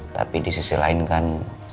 tapi di sisi lain kan